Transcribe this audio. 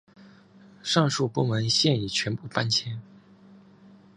上述部门现已全部搬迁。